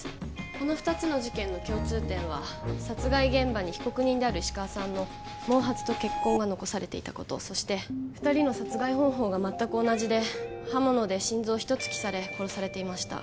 この２つの事件の共通点は殺害現場に被告人である石川さんの毛髪と血痕が残されていたことそして二人の殺害方法が全く同じで刃物で心臓を一突きされ殺されていました